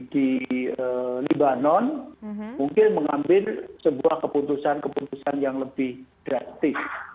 di libanon mungkin mengambil sebuah keputusan keputusan yang lebih drastis